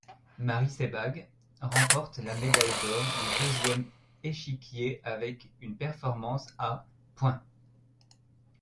Marie Sebag remporte la médaille d'or du deuxième échiquier avec une performance à points.